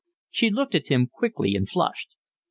She looked at him quickly and flushed.